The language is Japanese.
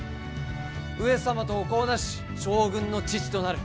上様とお子をなし将軍の父となる。